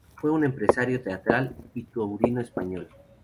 Fue un empresario teatral y taurino español.